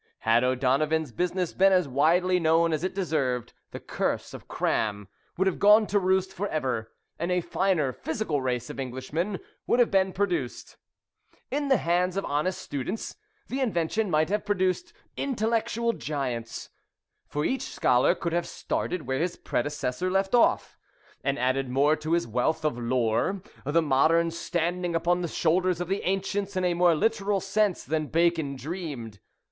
Had O'Donovan's business been as widely known as it deserved, the curse of cram would have gone to roost for ever, and a finer physical race of Englishmen would have been produced. In the hands of honest students the invention might have produced intellectual giants, for each scholar could have started where his predecessor left off, and added more to his wealth of lore, the moderns standing upon the shoulders of the ancients in a more literal sense than Bacon dreamed.